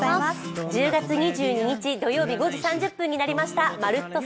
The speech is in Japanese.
１０月２２日土曜日５時３０分になりました「まるっと！